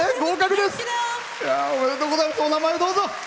お名前、どうぞ。